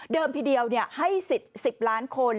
ทีเดียวให้๑๐ล้านคน